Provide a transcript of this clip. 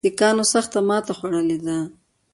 سیکهانو سخته ماته خوړلې ده.